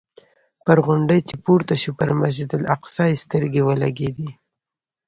پر غونډۍ چې پورته شو پر مسجد الاقصی یې سترګې ولګېدې.